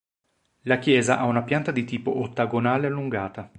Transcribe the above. La chiesa ha una pianta di tipo ottagonale allungata.